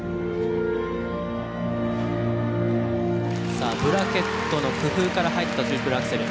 さあブラケットの工夫から入ったトリプルアクセル。